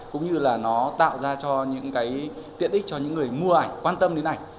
cũng như là nó tạo ra cho những cái tiện ích cho những người mua ảnh quan tâm đến ảnh